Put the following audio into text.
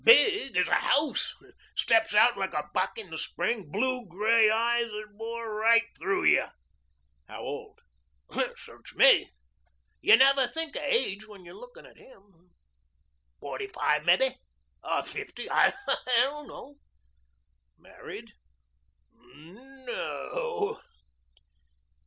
"Big as a house steps out like a buck in the spring blue gray eyes that bore right through you." "How old?" "Search me. You never think of age when you're looking at him. Forty five, mebbe or fifty I don't know." "Married?" "No o."